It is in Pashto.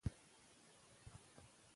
ایا هغه د ارامتیا تمرین وکړ؟